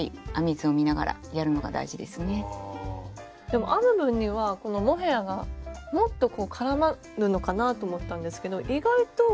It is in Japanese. でも編む分にはこのモヘアがもっと絡まるのかなと思ったんですけど意外と。